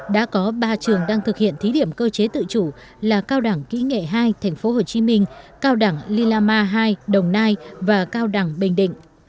đã có ba trường đang thực hiện thí điểm cơ chế tự chủ là cao đẳng kỹ nghệ hai tp hcm cao đẳng lilama hai đồng nai và cao đẳng bình định